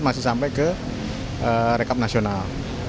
masih sampai ke rekap nasional